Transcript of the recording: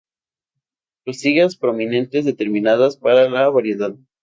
Costillas prominentes determinantes para la variedad.